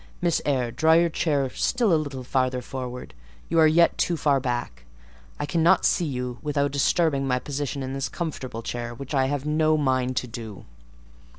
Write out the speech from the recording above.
Miss Eyre, draw your chair still a little farther forward: you are yet too far back; I cannot see you without disturbing my position in this comfortable chair, which I have no mind to do."